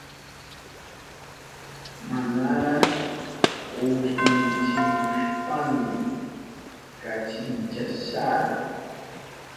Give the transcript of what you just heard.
Manara kushnichihushpayni kachinchashara.